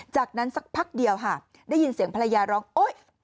จากนั้นสักพักเดียวค่ะได้ยินเสียงภรรยาร้องโอ๊ย